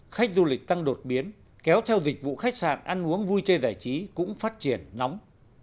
khách du lịch tăng đột biến kéo theo dịch vụ khách sạn ăn uống vui chơi giải trí cũng phát triển nóng